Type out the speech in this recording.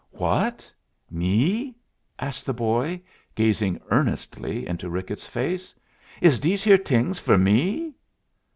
"What, me?" asked the boy, gazing earnestly into Ricketts' face. "Is dese here t'ings for me?"